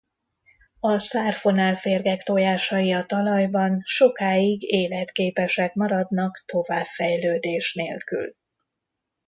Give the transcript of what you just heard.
A szár-fonálférgek tojásai a talajban sokáig életképesek maradnak továbbfejlődés nélkül.